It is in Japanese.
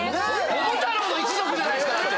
桃太郎の一族じゃないですか！